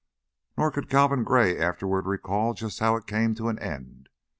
Nor could Calvin Gray afterward recall just how it came to an end.